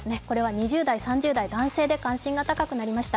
２０代、３０代男性で関心が高くなりました。